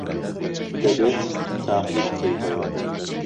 دەبێت تاقی بکەیتەوە.